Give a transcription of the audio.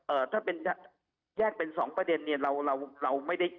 ถ้าเป็นแยกเป็นสองประเด็นเนี่ยเราเราไม่ได้